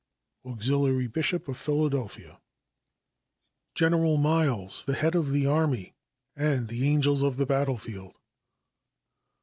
Auxiliary Bishop of Philadelphia. General Miles, the Head of the Army, and the "Angels of the Battlefield."